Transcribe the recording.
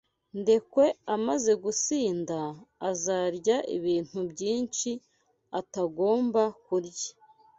Ndekwe amaze gusinda, azarya ibintu byinshi atagomba kurya.